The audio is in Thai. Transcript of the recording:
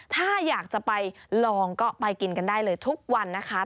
ถ้าอยากจะไปลองก็ไปกินกันได้เลยทุกวันนะคะ